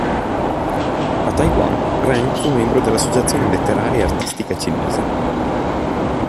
A Taiwan, Ren fu membro dell'Associazione Letteraria e Artistica Cinese.